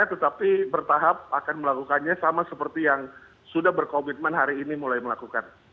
tetapi bertahap akan melakukannya sama seperti yang sudah berkomitmen hari ini mulai melakukan